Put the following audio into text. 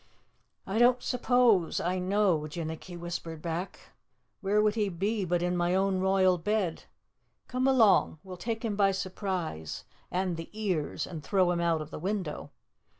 "I don't suppose, I know," Jinnicky whispered back. "Where would he be but in my own royal bed? Come along; we'll take him by surprise and the ears and throw him out of the window.